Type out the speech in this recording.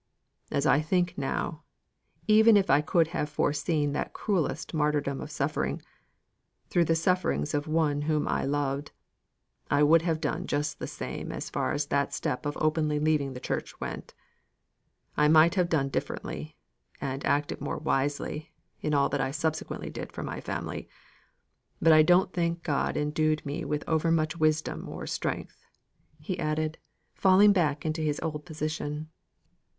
As I think now, even if I could have foreseen that cruellest martyrdom of suffering, through the sufferings of one whom I loved, I would have done just the same as far as that step of openly leaving the church went. I might have done differently, and acted more wisely, in all that I subsequently did for my family. But I don't think God endued me with over much wisdom or strength," he added, falling back into his old position. Mr.